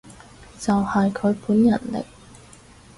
就係佢本人嚟